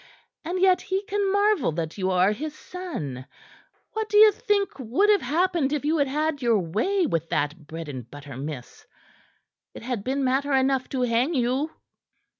And yet he can marvel that you are his son. What do ye think would have happened if you had had your way with that bread and butter miss? It had been matter enough to hang you."